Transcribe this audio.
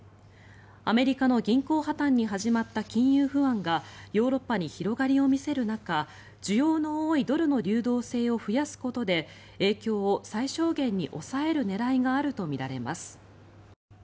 アメリカの銀行破たんに始まった金融不安がヨーロッパに広がりを見せる中需要の多いドルの流動性を増やすことで影響を最小限に抑える狙いがあるとみられます。